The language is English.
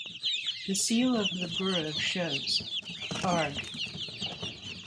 The seal of the borough shows: Arg.